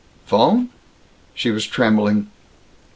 'Phone?" She was trembling.